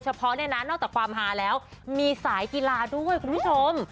เพาะเนี่ยนะนอกจากความฮาแล้วมีสายกีฬาด้วยคุณผู้ชม